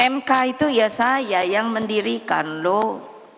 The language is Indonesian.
mk itu ya saya yang mendirikan loh